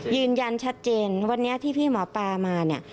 ยืนยันชัดเจนวันนี้ที่พี่หมอปลามาเนี่ย